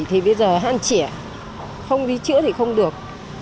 thì bây giờ hạn trẻ không đi chữa thì không được